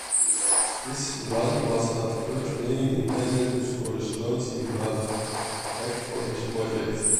This one was at first mainly intended to store the stones he brought back for his project.